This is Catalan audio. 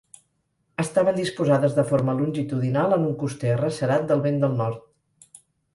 Estaven disposades de forma longitudinal en un coster arrecerat del vent del nord.